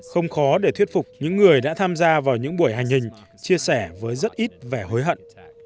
không khó để thuyết phục những người đã tham gia vào những buổi hành hình chia sẻ với rất ít vẻ hối hận